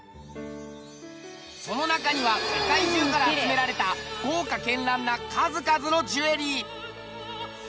その中には世界中から集められた豪華絢爛な数々のジュエリー。